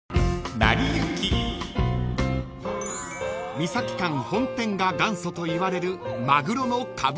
［三崎館本店が元祖といわれる］